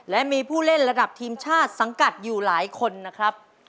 และมีผู้เล่นระดับทีมชาติสังกัดอยู่หลายคนนะครับ